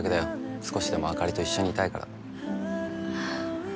少しでもあかりと一緒にいたいから